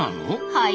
はい。